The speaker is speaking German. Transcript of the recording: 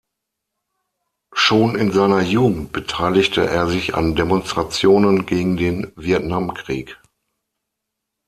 Schon in seiner Jugend beteiligte er sich an Demonstrationen gegen den Vietnamkrieg.